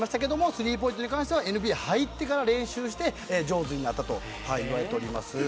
スリーポイントに関してはＮＢＡに入ってから練習して上手になったと言われています。